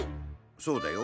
そうだよ。